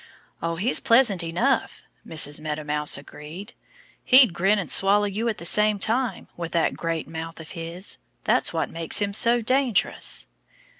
"Oh, he's pleasant enough," Mrs. Meadow Mouse agreed. "He'd grin and swallow you at the same time with that great mouth of his. That's what makes him so dangerous."